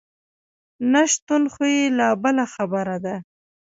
نشتون خو یې لا بله خبره ده.